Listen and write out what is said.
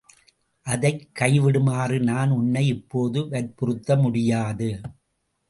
அதைக் கைவிடுமாறு நான் உன்னை இப்போது வற்புறுத்த முடியாது.